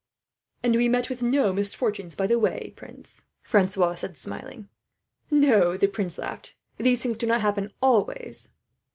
"And we met with no misfortunes by the way, prince," Francois said, smiling. "No," the prince laughed, "these things do not happen always."